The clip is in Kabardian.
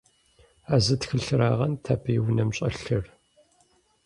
А зы тхылъырагъэнт абы и унэм щӀэлъыр.